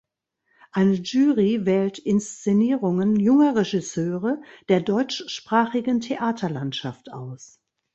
Eine Jury wählt Inszenierungen junger Regisseure der deutschsprachigen Theaterlandschaft aus.